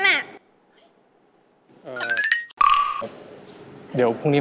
ถามพี่ปีเตอร์